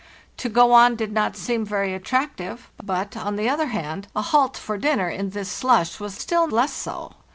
To go on did not seem very attractive ; but, on the other hand, a halt for dinner in this slush was still less so.